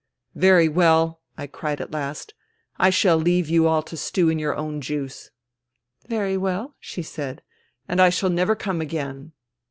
" Very well," I cried at last, " I shall leave you all to stew in your own juice !"" Very well," she said. " And I shall never come again."